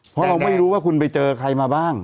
เพราะเราไม่รู้ว่าคุณไปเจอใครมาบ้าง